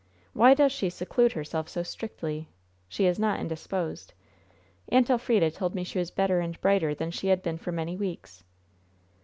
Why does she seclude herself so strictly? She is not indisposed. Aunt Elfrida told me she was better and brighter than she had been for many weeks.